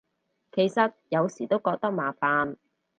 其實有時都覺得麻煩